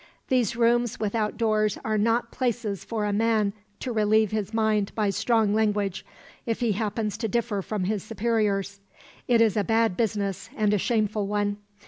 These rooms without doors are not places for a man to relieve his mind by strong language, if he happens to differ from his superiors. It is a bad business, and a shameful one.